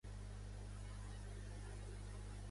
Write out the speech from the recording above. Posa el Radar Covid.